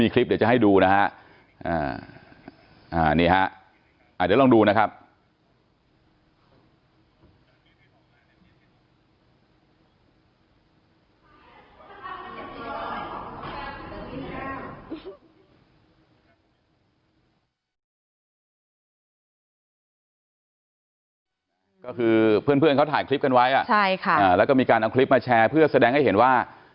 ก็คือเพื่อนเขาถ่ายคลิปกันไว้แล้วก็มีการเอาคลิปมาแชร์เพื่อแสดงให้เห็นว่า